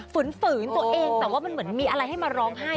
ฝืนตัวเองแต่ว่ามันเหมือนมีอะไรให้มาร้องไห้